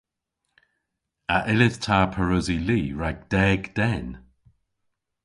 A yllydh ta pareusi li rag deg den?